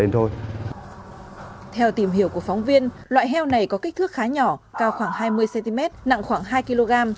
theo tìm hiểu của phóng viên loại heo này có kích thước khá nhỏ cao khoảng hai mươi cm nặng khoảng hai kg